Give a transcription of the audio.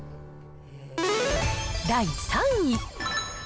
第３位。